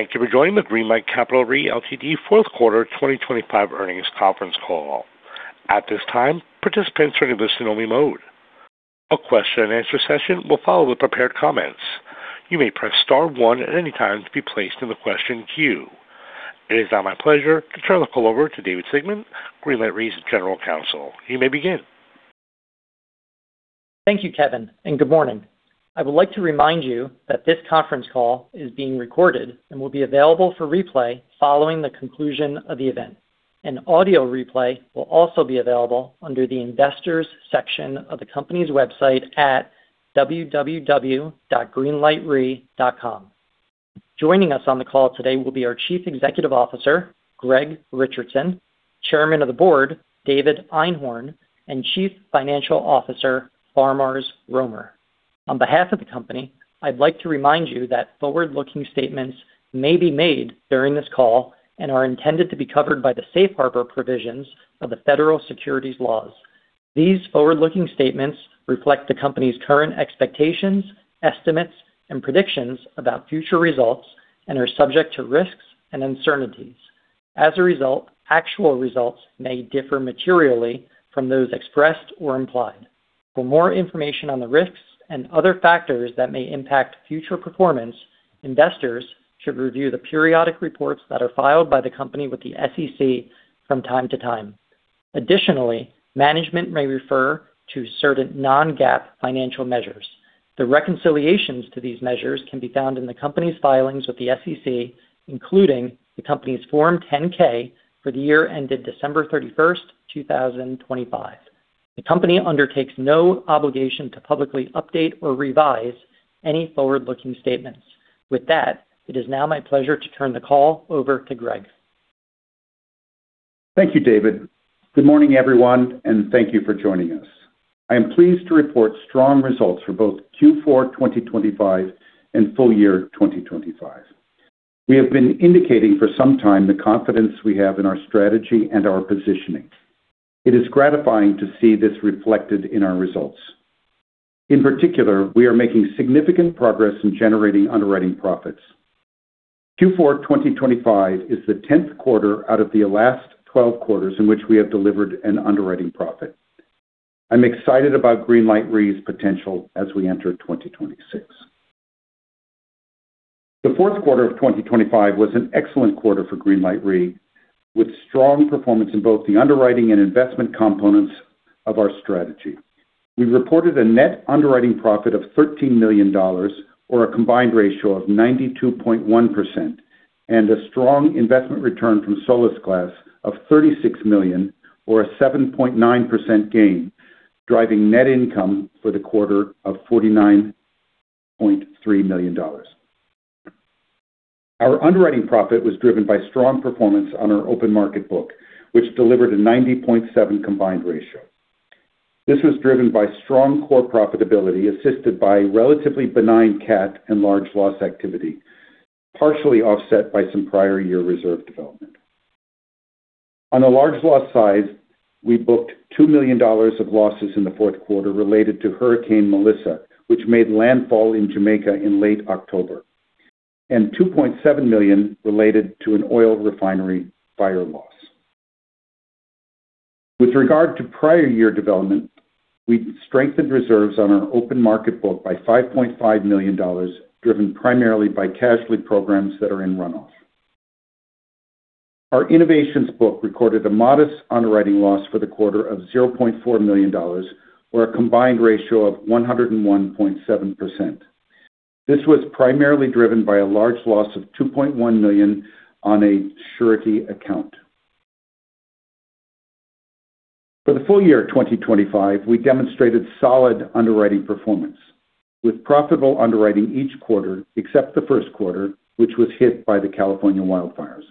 Thank you for joining the Greenlight Capital Re, Ltd. Fourth Quarter 2025 earnings conference call. At this time, participants are in listen-only mode. A question-and-answer session will follow the prepared comments. You may press star one at any time to be placed in the question queue. It is now my pleasure to turn the call over to David Sigmon, Greenlight Re's General Counsel. You may begin. Thank you, Kevin, and good morning. I would like to remind you that this conference call is being recorded and will be available for replay following the conclusion of the event. An audio replay will also be available under the Investors section of the company's website at www.greenlightre.com. Joining us on the call today will be our Chief Executive Officer, Greg Richardson, Chairman of the Board, David Einhorn, and Chief Financial Officer, Faramarz Romer. On behalf of the company, I'd like to remind you that forward-looking statements may be made during this call and are intended to be covered by the safe harbor provisions of the federal securities laws. These forward-looking statements reflect the company's current expectations, estimates, and predictions about future results and are subject to risks and uncertainties. As a result, actual results may differ materially from those expressed or implied. For more information on the risks and other factors that may impact future performance, investors should review the periodic reports that are filed by the company with the SEC from time to time. Additionally, management may refer to certain non-GAAP financial measures. The reconciliations to these measures can be found in the company's filings with the SEC, including the company's Form 10-K for the year ended December 31, 2025. The company undertakes no obligation to publicly update or revise any forward-looking statements. With that, it is now my pleasure to turn the call over to Greg. Thank you, David. Good morning, everyone, and thank you for joining us. I am pleased to report strong results for both Q4 2025 and full year 2025. We have been indicating for some time the confidence we have in our strategy and our positioning. It is gratifying to see this reflected in our results. In particular, we are making significant progress in generating underwriting profits. Q4 2025 is the 10th quarter out of the last 12 quarters in which we have delivered an underwriting profit. I'm excited about Greenlight Re's potential as we enter 2026. The fourth quarter of 2025 was an excellent quarter for Greenlight Re, with strong performance in both the underwriting and investment components of our strategy. We reported a net underwriting profit of $13 million or a combined ratio of 92.1% and a strong investment return from Solasglas of $36 million or a 7.9% gain, driving net income for the quarter of $49.3 million. Our underwriting profit was driven by strong performance on our open market book, which delivered a 90.7 combined ratio. This was driven by strong core profitability, assisted by relatively benign cat and large loss activity, partially offset by some prior year reserve development. On the large loss side, we booked $2 million of losses in the fourth quarter related to Hurricane Melissa, which made landfall in Jamaica in late October, and $2.7 million related to an oil refinery fire loss. With regard to prior year development, we strengthened reserves on our open market book by $5.5 million, driven primarily by casualty programs that are in runoff. Our innovations book recorded a modest underwriting loss for the quarter of $0.4 million or a combined ratio of 101.7%. This was primarily driven by a large loss of $2.1 million on a surety account. For the full year 2025, we demonstrated solid underwriting performance with profitable underwriting each quarter except the first quarter, which was hit by the California wildfires.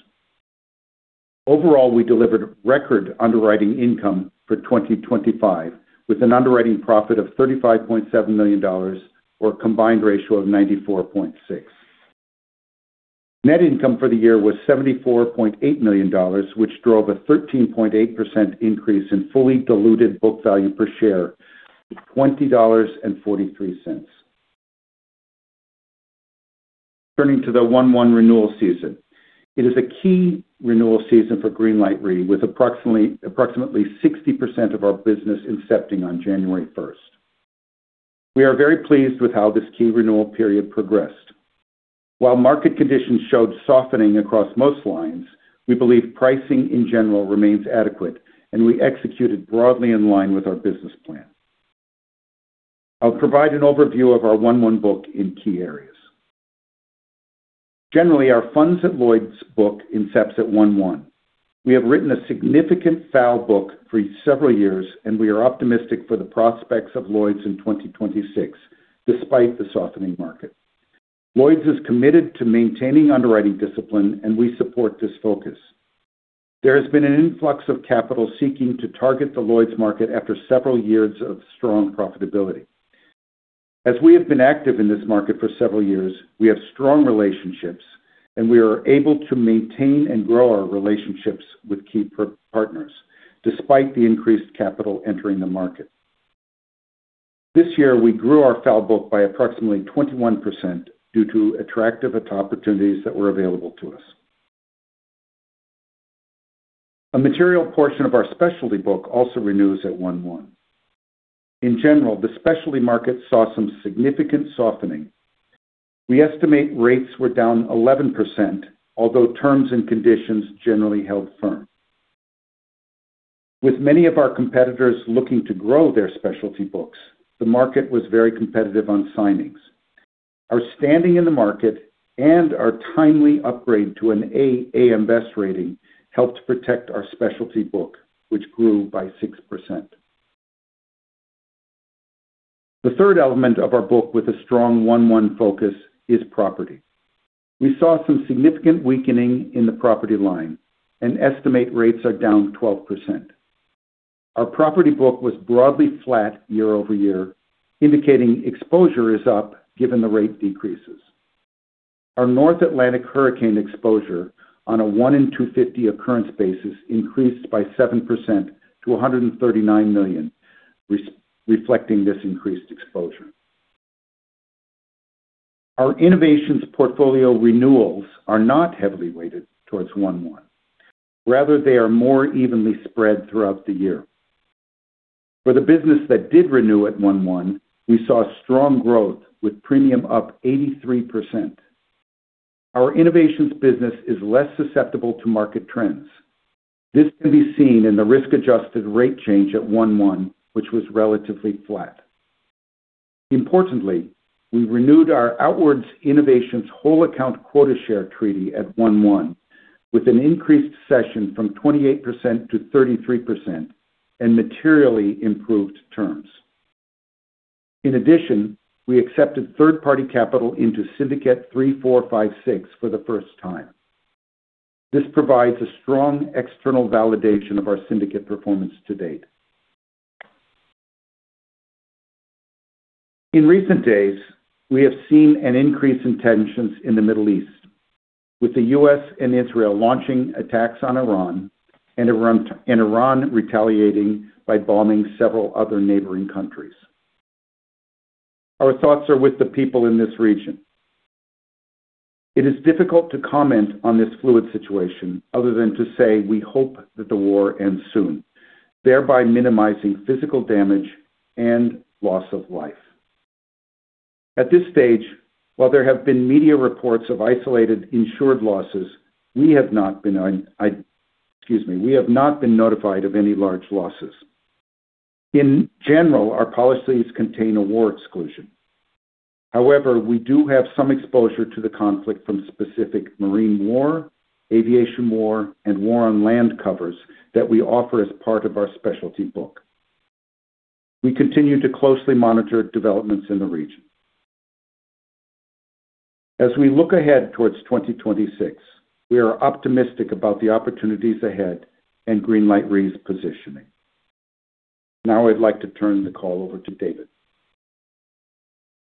Overall, we delivered record underwriting income for 2025 with an underwriting profit of $35.7 million or a combined ratio of 94.6%. Net income for the year was $74.8 million, which drove a 13.8% increase in fully diluted book value per share to $20.43. Turning to the 1/1 renewal season. It is a key renewal season for Greenlight Re, with approximately 60% of our business incepting on January 1. We are very pleased with how this key renewal period progressed. While market conditions showed softening across most lines, we believe pricing in general remains adequate, and we executed broadly in line with our business plan. I'll provide an overview of our 1/1 book in key areas. Generally, our Funds at Lloyd's book incepts at 1/1. We have written a significant FAL book for several years, and we are optimistic for the prospects of Lloyd's in 2026, despite the softening market. Lloyd's is committed to maintaining underwriting discipline, and we support this focus. There has been an influx of capital seeking to target the Lloyd's market after several years of strong profitability. As we have been active in this market for several years, we have strong relationships, and we are able to maintain and grow our relationships with key partners despite the increased capital entering the market. This year, we grew our file book by approximately 21% due to attractive opportunities that were available to us. A material portion of our specialty book also renews at one-one. In general, the specialty market saw some significant softening. We estimate rates were down 11% although terms and conditions generally held firm. With many of our competitors looking to grow their specialty books, the market was very competitive on signings. Our standing in the market and our timely upgrade to an A (AM Best) rating helped protect our specialty book, which grew by 6%. The third element of our book with a strong 1/1 focus is property. We saw some significant weakening in the property line and estimate rates are down 12%. Our property book was broadly flat year-over-year, indicating exposure is up given the rate decreases. Our North Atlantic hurricane exposure on a 1 in 250 occurrence basis increased by 7% to $139 million, reflecting this increased exposure. Our innovations portfolio renewals are not heavily weighted towards 1/1. Rather, they are more evenly spread throughout the year. For the business that did renew at 1/1, we saw strong growth with premium up 83%. Our innovations business is less susceptible to market trends. This can be seen in the risk-adjusted rate change at 1:1, which was relatively flat. Importantly, we renewed our Outwards Innovations Whole Account Quota Share Treaty at 1:1 with an increased cession from 28% to 33% and materially improved terms. In addition, we accepted third-party capital into Syndicate 3456 for the first time. This provides a strong external validation of our syndicate performance to date. In recent days, we have seen an increase in tensions in the Middle East with the US and Israel launching attacks on Iran, and Iran retaliating by bombing several other neighboring countries. Our thoughts are with the people in this region. It is difficult to comment on this fluid situation other than to say we hope that the war ends soon, thereby minimizing physical damage and loss of life. At this stage, while there have been media reports of isolated insured losses, we have not been notified of any large losses. In general, our policies contain a war exclusion. However, we do have some exposure to the conflict from specific marine war, aviation war, and war on land covers that we offer as part of our specialty book. We continue to closely monitor developments in the region. As we look ahead towards 2026, we are optimistic about the opportunities ahead and Greenlight Re's positioning. Now I'd like to turn the call over to David.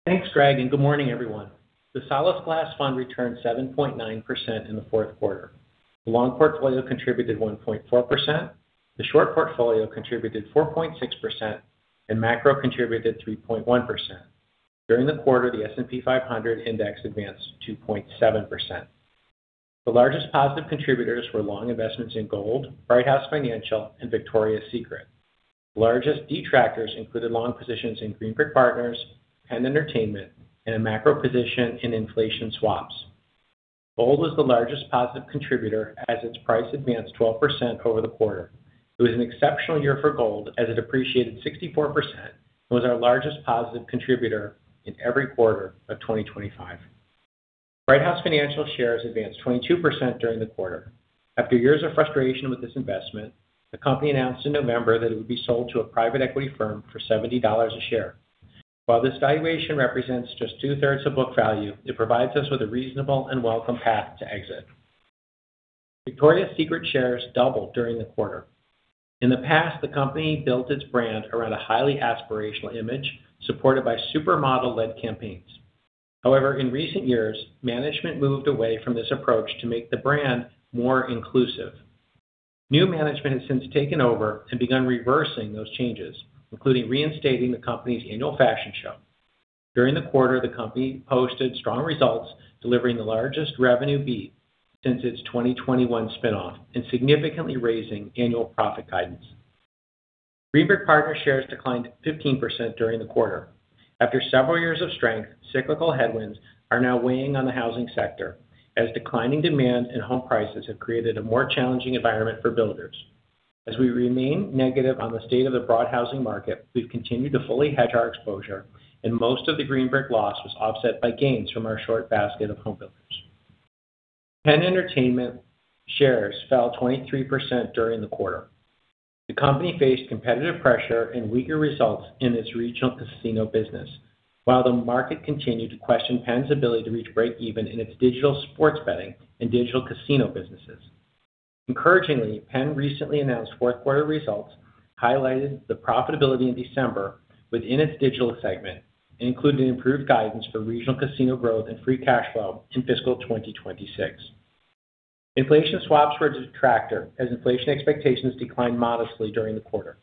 Thanks, Greg, and good morning, everyone. The Solasglas Fund returned 7.9% in the fourth quarter. The long portfolio contributed 1.4%, the short portfolio contributed 4.6%, and macro contributed 3.1%. During the quarter, the S&P 500 index advanced 2.7%. The largest positive contributors were long investments in Gold, Brighthouse Financial, and Victoria's Secret. Largest detractors included long positions in Green Brick Partners, PENN Entertainment, and a macro position in inflation swaps. Gold was the largest positive contributor as its price advanced 12% over the quarter. It was an exceptional year for gold as it appreciated 64% and was our largest positive contributor in every quarter of 2025. Brighthouse Financial shares advanced 22% during the quarter. After years of frustration with this investment, the company announced in November that it would be sold to a private equity firm for $70 a share. While this valuation represents just two-thirds of book value, it provides us with a reasonable and welcome path to exit. Victoria's Secret shares doubled during the quarter. In the past, the company built its brand around a highly aspirational image supported by supermodel-led campaigns. However, in recent years, management moved away from this approach to make the brand more inclusive. New management has since taken over and begun reversing those changes, including reinstating the company's annual fashion show. During the quarter, the company posted strong results, delivering the largest revenue beat since its 2021 spin off and significantly raising annual profit guidance. Green Brick Partners shares declined 15% during the quarter. After several years of strength, cyclical headwinds are now weighing on the housing sector as declining demand and home prices have created a more challenging environment for builders. As we remain negative on the state of the broad housing market, we've continued to fully hedge our exposure, and most of the Green Brick Partners loss was offset by gains from our short basket of homebuilders. PENN Entertainment shares fell 23% during the quarter. The company faced competitive pressure and weaker results in its regional casino business. While the market continued to question PENN Entertainment's ability to reach breakeven in its digital sports betting and digital casino businesses. Encouragingly, PENN Entertainment recently announced fourth quarter results highlighted the profitability in December within its digital segment, including improved guidance for regional casino growth and free cash flow in fiscal 2026. Inflation swaps were a detractor as inflation expectations declined modestly during the quarter.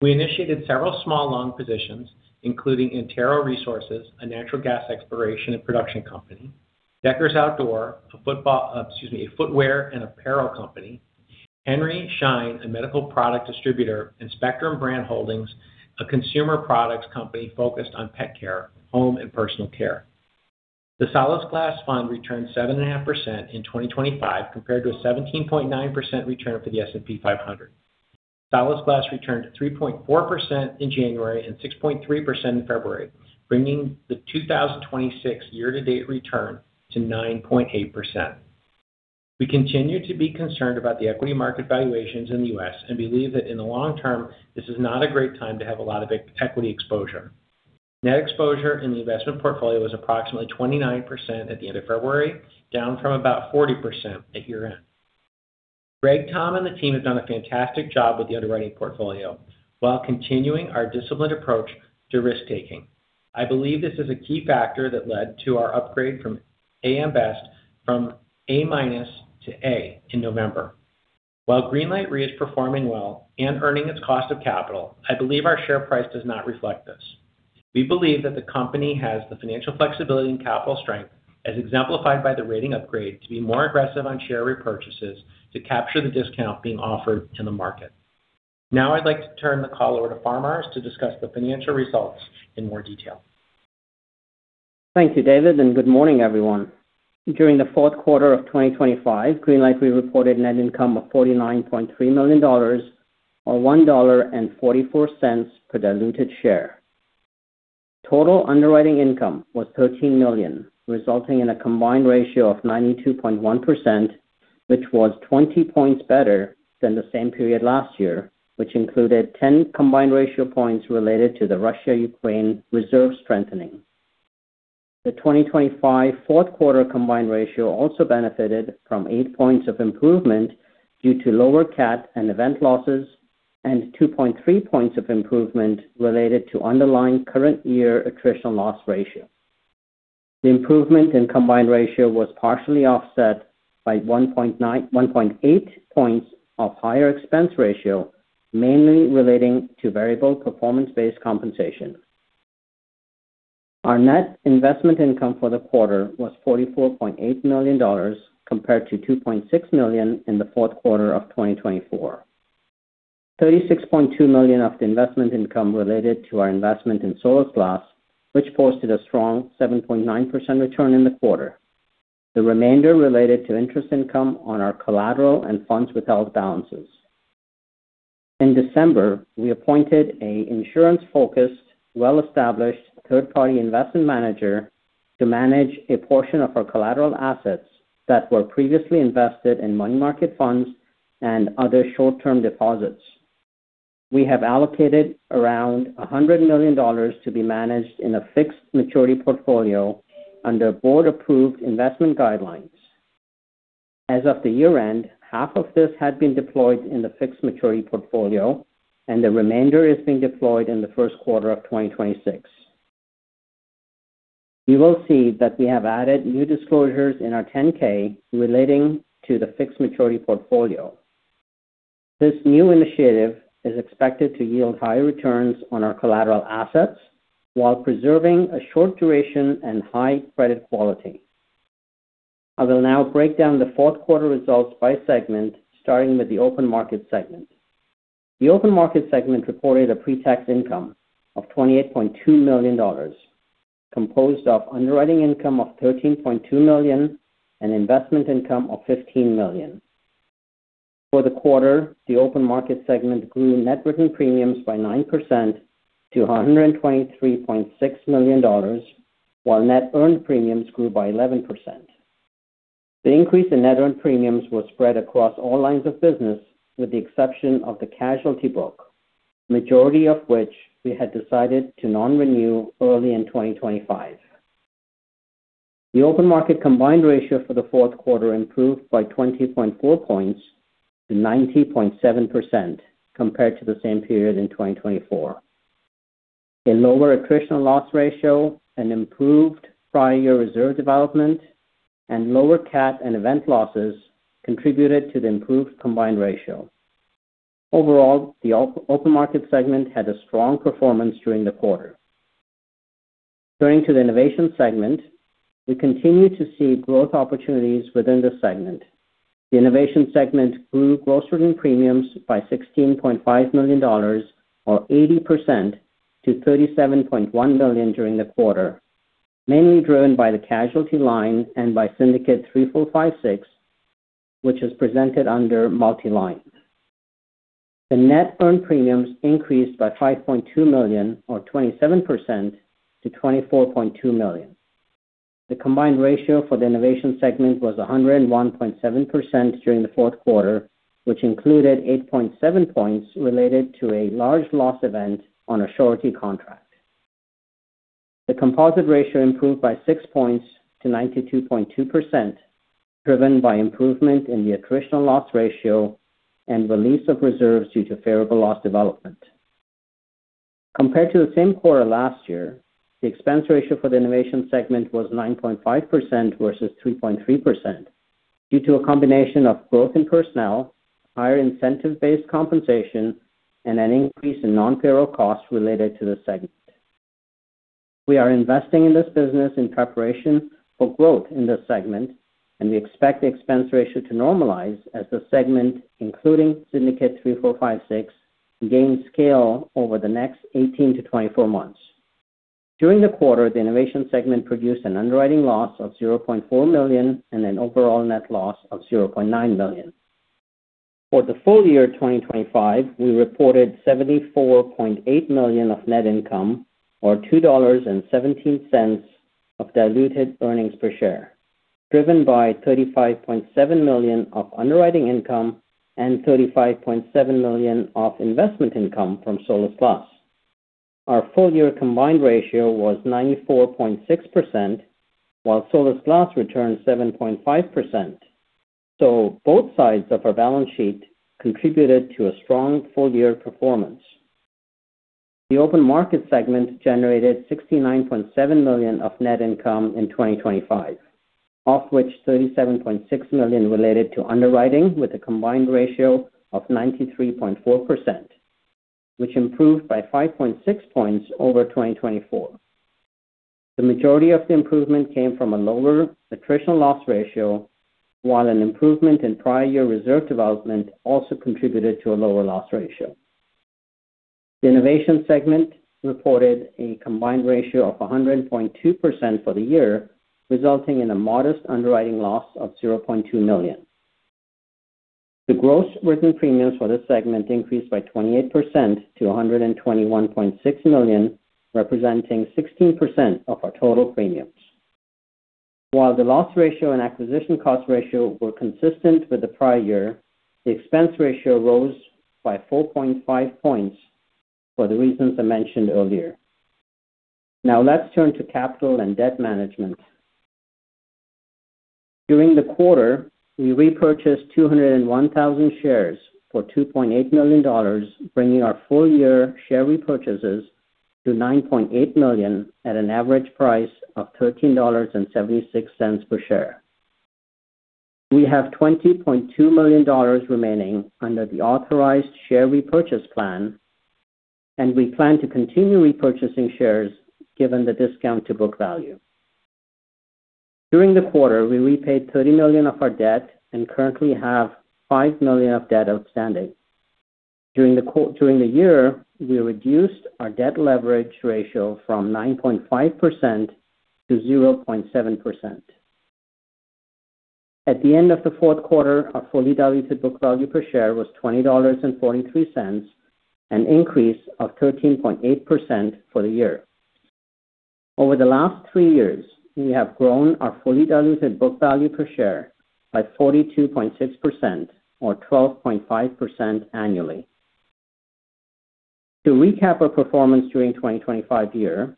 We initiated several small long positions, including Antero Resources, a natural gas exploration and production company, Deckers Outdoor, a footwear and apparel company, Henry Schein, a medical product distributor, and Spectrum Brands Holdings, a consumer products company focused on pet care, home and personal care. The Solasglas Fund returned 7.5% in 2025 compared to a 17.9% return for the S&P 500. Solasglas returned 3.4% in January and 6.3% in February, bringing the 2026 year-to-date return to 9.8%. We continue to be concerned about the equity market valuations in the US and believe that in the long term, this is not a great time to have a lot of equity exposure. Net exposure in the investment portfolio was approximately 29% at the end of February, down from about 40% at year-end. Greg, Tom, and the team have done a fantastic job with the underwriting portfolio while continuing our disciplined approach to risk-taking. I believe this is a key factor that led to our upgrade from AM Best from A minus to A in November. While Greenlight Re is performing well and earning its cost of capital, I believe our share price does not reflect this. We believe that the company has the financial flexibility and capital strength, as exemplified by the rating upgrade, to be more aggressive on share repurchases to capture the discount being offered in the market. Now I'd like to turn the call over to Faramarz Romer to discuss the financial results in more detail. Thank you, David, and good morning, everyone. During the fourth quarter of 2025, Greenlight Re reported net income of $49.3 million or $1.44 per diluted share. Total underwriting income was $13 million, resulting in a combined ratio of 92.1%, which was 20 points better than the same period last year, which included 10 combined ratio points related to the Russia-Ukraine reserve strengthening. The 2025 fourth quarter combined ratio also benefited from eight points of improvement due to lower cat event losses and 2.3 points of improvement related to underlying current year attritional loss ratio. The improvement in combined ratio was partially offset by 1.8 points of higher expense ratio, mainly relating to variable performance-based compensation. Our net investment income for the quarter was $44.8 million compared to $2.6 million in the fourth quarter of 2024. $36.2 million of the investment income related to our investment in Solasglas, which posted a strong 7.9% return in the quarter. The remainder related to interest income on our collateral and funds withheld balances. In December, we appointed an insurance-focused, well-established third-party investment manager to manage a portion of our collateral assets that were previously invested in money market funds and other short-term deposits. We have allocated around $100 million to be managed in a fixed maturity portfolio under board-approved investment guidelines. As of the year-end, half of this had been deployed in the fixed maturity portfolio, and the remainder is being deployed in the first quarter of 2026. You will see that we have added new disclosures in our 10-K relating to the fixed maturity portfolio. This new initiative is expected to yield higher returns on our collateral assets while preserving a short duration and high credit quality. I will now break down the fourth quarter results by segment, starting with the open market segment. The open market segment reported a pre-tax income of $28.2 million, composed of underwriting income of $13.2 million and investment income of $15 million. For the quarter, the open market segment grew net written premiums by 9% to $123.6 million, while net earned premiums grew by 11%. The increase in net earned premiums was spread across all lines of business with the exception of the casualty book, majority of which we had decided to non-renew early in 2025. The open market combined ratio for the fourth quarter improved by 20.4 points to 90.7% compared to the same period in 2024. A lower attritional loss ratio, an improved prior year reserve development, and lower cat and event losses contributed to the improved combined ratio. Overall, the open market segment had a strong performance during the quarter. Turning to the innovation segment, we continue to see growth opportunities within the segment. The innovation segment grew gross written premiums by $16.5 million or 80% to $37.1 million during the quarter, mainly driven by the casualty line and by Syndicate 3456, which is presented under multi-line. The net earned premiums increased by $5.2 million or 27% to $24.2 million. The combined ratio for the innovation segment was 101.7% during the fourth quarter, which included 8.7 points related to a large loss event on a surety contract. The combined ratio improved by 6 points to 92.2%, driven by improvement in the attritional loss ratio and release of reserves due to favorable loss development. Compared to the same quarter last year, the expense ratio for the innovation segment was 9.5% versus 3.3% due to a combination of growth in personnel, higher incentive-based compensation, and an increase in non-payroll costs related to the segment. We are investing in this business in preparation for growth in this segment, and we expect the expense ratio to normalize as the segment, including Syndicate 3456, gains scale over the next 18-24 months. During the quarter, the Innovations segment produced an underwriting loss of $0.4 million and an overall net loss of $0.9 million. For the full year 2025, we reported $74.8 million of net income, or $2.17 of diluted earnings per share, driven by $35.7 million of underwriting income and $35.7 million of investment income from Solasglas. Our full year combined ratio was 94.6%, while Solasglas returned 7.5%. Both sides of our balance sheet contributed to a strong full year performance. The open market segment generated $69.7 million of net income in 2025, of which $37.6 million related to underwriting with a combined ratio of 93.4%, which improved by 5.6 points over 2024. The majority of the improvement came from a lower attritional loss ratio, while an improvement in prior year reserve development also contributed to a lower loss ratio. The Innovations segment reported a combined ratio of 100.2% for the year, resulting in a modest underwriting loss of $0.2 million. The gross written premiums for this segment increased by 28% to $121.6 million, representing 16% of our total premiums. While the loss ratio and acquisition cost ratio were consistent with the prior year, the expense ratio rose by 4.5 points for the reasons I mentioned earlier. Now let's turn to capital and debt management. During the quarter, we repurchased 201,000 shares for $2.8 million, bringing our full year share repurchases to $9.8 million at an average price of $13.76 per share. We have $20.2 million remaining under the authorized share repurchase plan, and we plan to continue repurchasing shares given the discount to book value. During the quarter, we repaid $30 million of our debt and currently have $5 million of debt outstanding. During the year, we reduced our debt leverage ratio from 9.5% to 0.7%. At the end of the fourth quarter, our fully diluted book value per share was $20.43, an increase of 13.8% for the year. Over the last three years, we have grown our fully diluted book value per share by 42.6% or 12.5% annually. To recap our performance during 2025,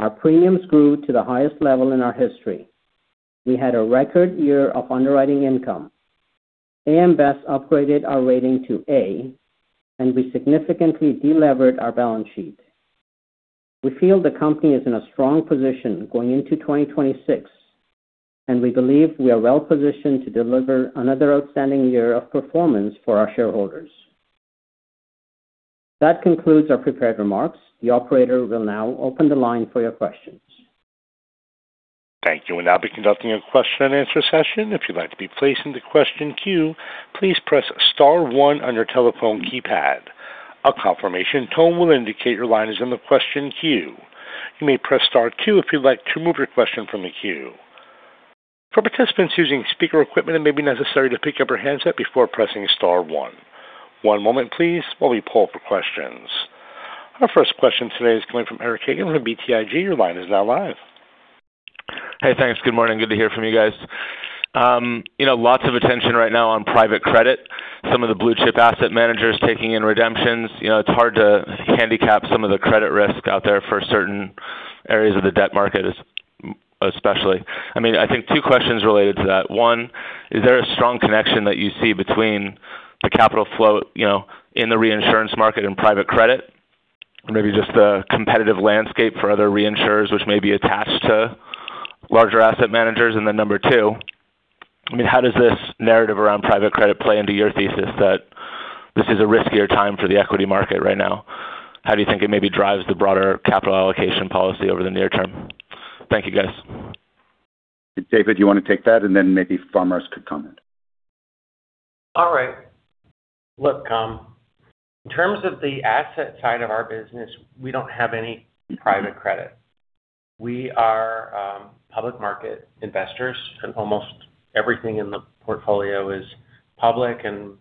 our premiums grew to the highest level in our history. We had a record year of underwriting income. AM Best upgraded our rating to A, and we significantly delevered our balance sheet. We feel the company is in a strong position going into 2026, and we believe we are well-positioned to deliver another outstanding year of performance for our shareholders. That concludes our prepared remarks. The operator will now open the line for your questions. Thank you. We'll now be conducting a question and answer session. If you'd like to be placed in the question queue, please press star one on your telephone keypad. A confirmation tone will indicate your line is in the question queue. You may press star two if you'd like to remove your question from the queue. For participants using speaker equipment, it may be necessary to pick up your handset before pressing star one. One moment please, while we pull for questions. Our first question today is coming from Eric Hagen with BTIG. Your line is now live. Hey, thanks. Good morning. Good to hear from you guys. You know, lots of attention right now on private credit. Some of the blue chip asset managers taking in redemptions. You know, it's hard to handicap some of the credit risk out there for certain areas of the debt market, especially. I mean, I think two questions related to that. One, is there a strong connection that you see between the capital flow, you know, in the reinsurance market and private credit? Or maybe just the competitive landscape for other reinsurers which may be attached to larger asset managers. Number two, I mean, how does this narrative around private credit play into your thesis that this is a riskier time for the equity market right now? How do you think it maybe drives the broader capital allocation policy over the near term? Thank you, guys. David, you want to take that and then maybe Faramarz could comment? All right. Look, Tom, in terms of the asset side of our business, we don't have any private credit. We are public market investors, and almost everything in the portfolio is public and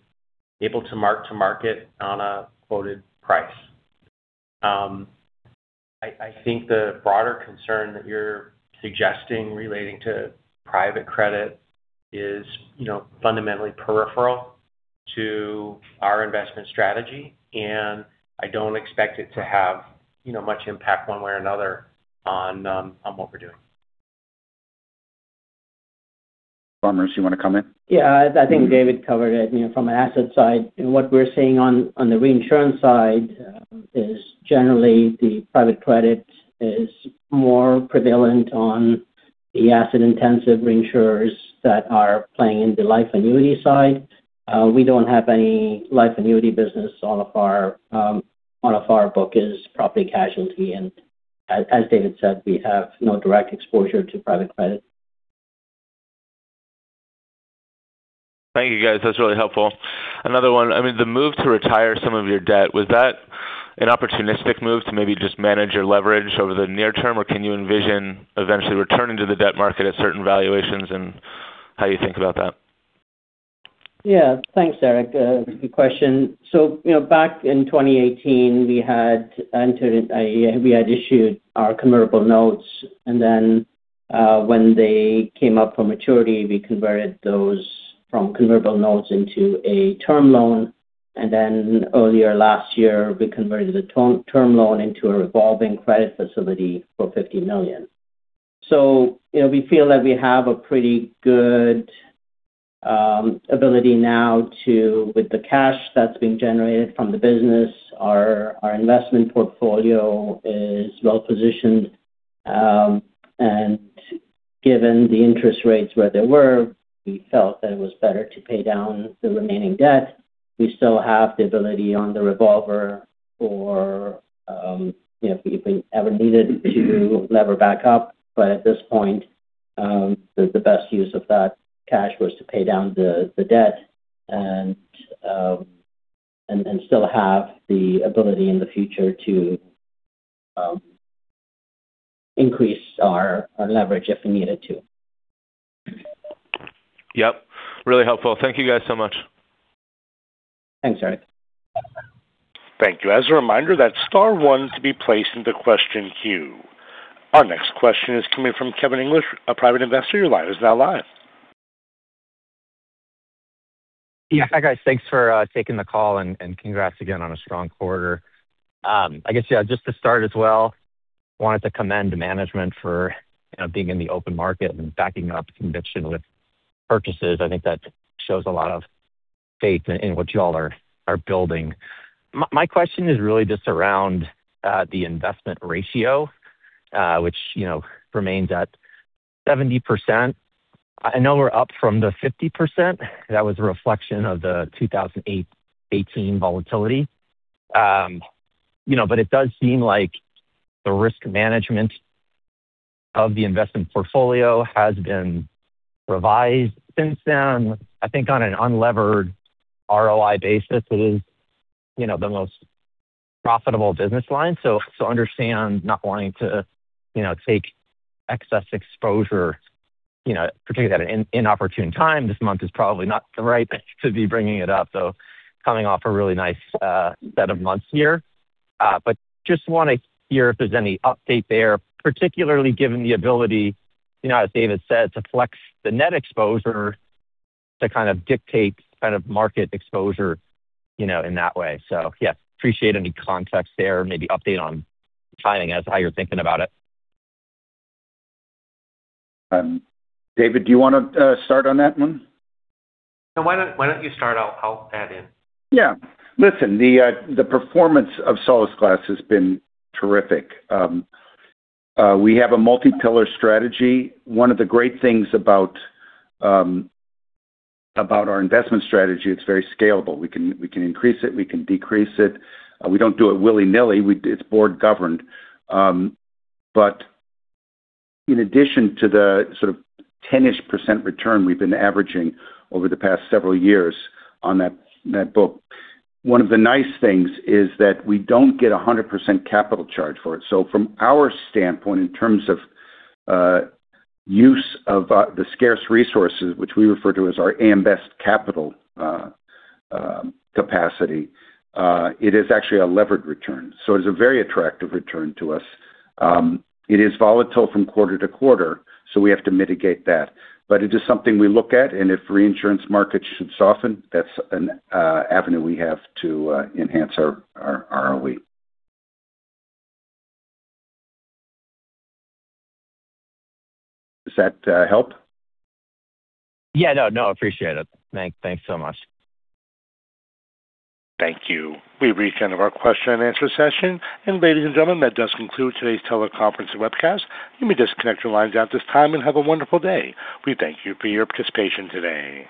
able to mark to market on a quoted price. I think the broader concern that you're suggesting relating to private credit is, you know, fundamentally peripheral to ourinvestment strategy, and I don't expect it to have, you know, much impact one way or another on what we're doing. Faramarz, you want to come in? Yeah, I think David covered it, you know, from an asset side. What we're seeing on the reinsurance side is generally the private credit is more prevalent on the asset-intensive reinsurers that are playing in the life annuity side. We don't have any life annuity business. All of our book is property casualty. As David said, we have no direct exposure to private credit. Thank you, guys. That's really helpful. Another one. I mean, the move to retire some of your debt, was that an opportunistic move to maybe just manage your leverage over the near term, or can you envision eventually returning to the debt market at certain valuations, and how you think about that? Yeah. Thanks, Eric. Good question. You know, back in 2018, we had issued our convertible notes, and then, when they came up for maturity, we converted those from convertible notes into a term loan. Earlier last year, we converted the term loan into a revolving credit facility for $50 million. You know, we feel that we have a pretty good ability now to, with the cash that's being generated from the business, our investment portfolio is well-positioned. Given the interest rates where they were, we felt that it was better to pay down the remaining debt. We still have the ability on the revolver for, you know, if we ever needed to lever back up, but at this point, the best use of that cash was to pay down the debt and still have the ability in the future to increase our leverage if we needed to. Yep, really helpful. Thank you, guys, so much. Thanks, Eric. Thank you. As a reminder, that's star one to be placed in the question queue. Our next question is coming from Kevin English, a private investor. Your line is now live. Yeah. Hi, guys. Thanks for taking the call, and congrats again on a strong quarter. I guess, just to start as well, wanted to commend management for, you know, being in the open market and backing up conviction with purchases. I think that shows a lot of faith in what y'all are building. My question is really just around the investment ratio, which, you know, remains at 70%. I know we're up from the 50%. That was a reflection of the 2018 volatility. You know, but it does seem like the risk management of the investment portfolio has been revised since then. I think on an unlevered ROI basis, it is, you know, the most profitable business line. Understand not wanting to, you know, take excess exposure, you know, particularly at an inopportune time. This month is probably not the right to be bringing it up, so coming off a really nice set of months here. Just wanna hear if there's any update there, particularly given the ability, you know, as David said, to flex the net exposure to kind of dictate kind of market exposure, you know, in that way. Yeah, appreciate any context there, maybe update on timing as how you're thinking about it. David, do you wanna start on that one? No. Why don't you start? I'll add in. Yeah. Listen, the performance of Solasglas has been terrific. We have a multi-pillar strategy. One of the great things about about our investment strategy, it's very scalable. We can increase it, we can decrease it. We don't do it willy-nilly. It's board governed. But in addition to the sort of 10-ish% return we've been averaging over the past several years on that book, one of the nice things is that we don't get 100% capital charge for it. From our standpoint, in terms of use of the scarce resources, which we refer to as our AM Best capital capacity, it is actually a levered return. It's a very attractive return to us. It is volatile from quarter to quarter, so we have to mitigate that. It is something we look at, and if reinsurance markets should soften, that's an avenue we have to enhance our ROE. Does that help? Yeah. No, no, appreciate it. Thanks so much. Thank you. We've reached the end of our question and answer session. Ladies and gentlemen, that does conclude today's teleconference and webcast. You may disconnect your lines at this time and have a wonderful day. We thank you for your participation today.